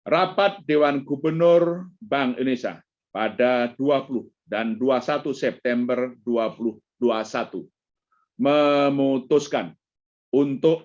rapat dewan gubernur bank indonesia pada dua puluh dan dua puluh satu september dua ribu dua puluh satu memutuskan untuk